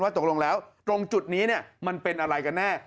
ตกลงแล้วตรงจุดนี้มันเป็นอะไรกันแน่